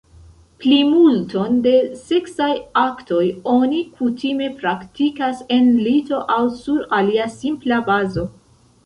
Plimulton de seksaj aktoj oni kutime praktikas en lito aŭ sur alia simpla bazo.